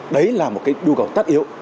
đấy là một cái đu cầu tắt yếu